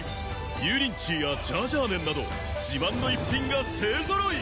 油淋鶏やジャージャー麺など自慢の逸品が勢揃い！